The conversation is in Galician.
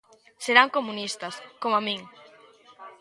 Serán comunistas, coma min.